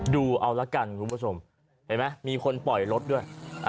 ดูเอาละกันคุณผู้ชมเห็นไหมมีคนปล่อยรถด้วย